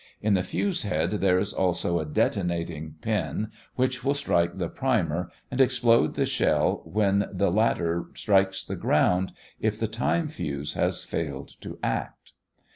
In the fuse head there is also a detonating pin K, which will strike the primer L and explode the shell when the latter strikes the ground, if the time fuse has failed to act.